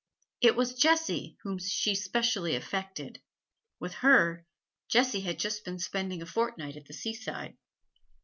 It was Jessie whom she specially affected; with her Jessie had just been spending a fortnight at the seaside.